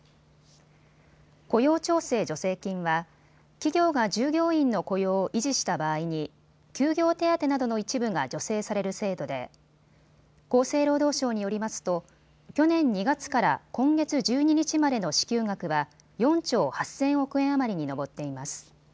雇用調整助成金は企業が従業員の雇用を維持した場合に休業手当などの一部が助成される制度で厚生労働省によりますと去年２月から今月１２日までの支給額は４兆８０００億円余りに上っています。